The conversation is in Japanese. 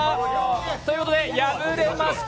ということで、敗れました